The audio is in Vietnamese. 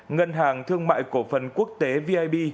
ngân hàng thương mại cổ phần quốc tế vip